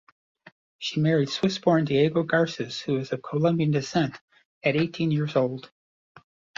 She married Swiss-born Diego Garces, who is of Colombian descent, at eighteen years old.